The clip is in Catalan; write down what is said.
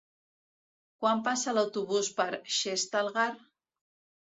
Quan passa l'autobús per Xestalgar?